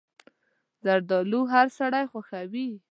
زردالو هر سړی خوښوي.